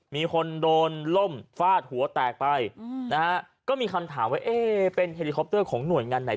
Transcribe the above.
มีคนโดนล่มฟาดหัวแตกไปนะฮะก็มีคำถามว่าเอ๊ะเป็นเฮลิคอปเตอร์ของหน่วยงานไหน